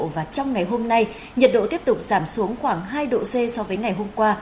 và trong ngày hôm nay nhiệt độ tiếp tục giảm xuống khoảng hai độ c so với ngày hôm qua